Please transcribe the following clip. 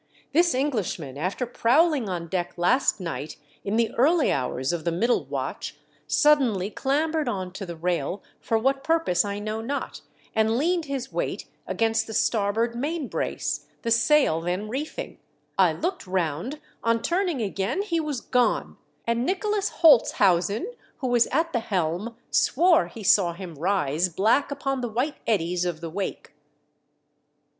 This Englishman, after prowling on deck last night in the early hours of the middle watch, suddenly clambered on to the MY SWEETHEARTS JOY. 327 rail, for what purpose I know not, and leaned his weight against the starboard main brace, the sail then reefing. I looked round — on turning again he was gone! and Nicholas Houltshausen, who was at the helm, swore, he saw him rise black upon the white eddies of the wake."